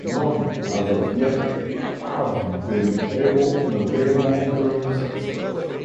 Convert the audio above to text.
None as of yet have been able to maintain long-term success.